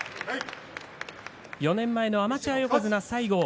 ４年前のアマチュア横綱の西郷